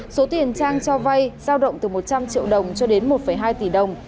số tiền trang cho vay giao động từ một trăm linh triệu đồng cho đến một hai tỷ đồng